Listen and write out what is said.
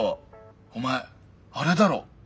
お前あれだろ？